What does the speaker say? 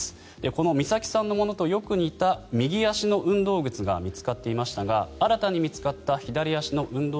この美咲さんのものとよく似た右足の運動靴が見つかっていましたが新たに見つかった左足の運動